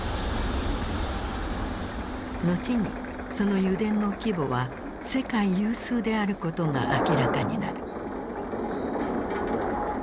後にその油田の規模は世界有数であることが明らかになる。